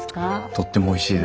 とってもおいしいです。